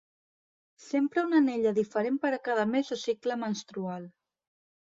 S'empra una anella diferent per a cada mes o cicle menstrual.